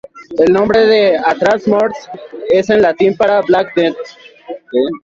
El nombre Atra Mors es en latín para "Black Death".